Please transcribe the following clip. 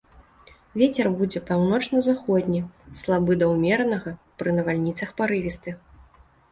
Вецер будзе паўночна-заходні, слабы да ўмеранага, пры навальніцах парывісты.